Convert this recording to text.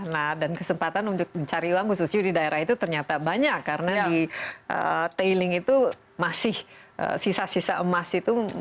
nah dan kesempatan untuk mencari uang khususnya di daerah itu ternyata banyak karena di tailing itu masih sisa sisa emas itu